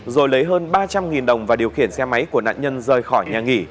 rồi lấy hơn ba trăm linh đồng và điều khiển xe máy của nạn nhân rời khỏi nhà nghỉ